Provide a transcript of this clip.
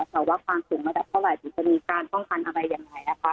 แต่ว่าความสุขมาจากเท่าไหร่ถึงจะมีการป้องกันอะไรยังไง